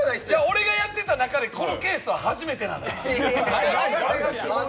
俺がやってた中でこのケースは初めてなのよ。